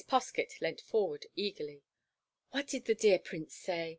Poskett leant forward eagerly. "What did the dear Prince say?